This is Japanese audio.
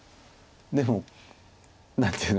でも何ていうの。